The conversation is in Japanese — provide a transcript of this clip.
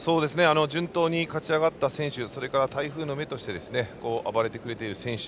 順当に勝ちあがった選手台風の目として暴れてくれている選手。